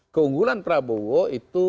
keunggulan prabowo itu